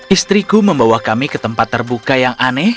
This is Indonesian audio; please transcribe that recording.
istriku membawa kami ke tempat terbuka yang aneh